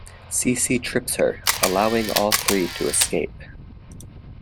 Cici trips her, allowing all three to escape.